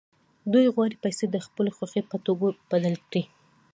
دوی غواړي پیسې د خپلې خوښې په توکو بدلې کړي